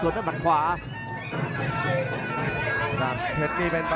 อื้อหือจังหวะขวางแล้วพยายามจะเล่นงานด้วยซอกแต่วงใน